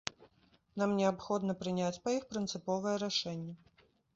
Нам неабходна прыняць па іх прынцыповае рашэнне.